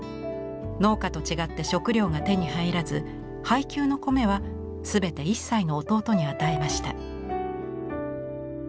農家と違って食糧が手に入らず配給の米は全て１歳の弟に与えました。